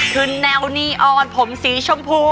คือแนวนีออนผมสีชมพู